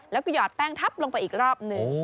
แล้วก็หอดแป้งทับลงไปอีกรอบนึง